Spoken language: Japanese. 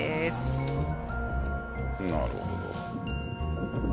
なるほど。